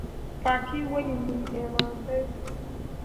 پاکي ولې نیم ایمان دی؟